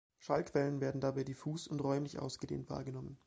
Schallquellen werden dabei diffus und räumlich ausgedehnt wahrgenommen.